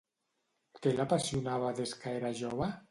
Què l'apassionava des que era jove?